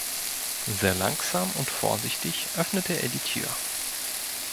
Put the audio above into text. Sehr langsam und vorsichtig öffnete er die Tür.